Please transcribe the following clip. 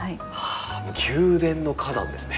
宮殿の花壇ですね。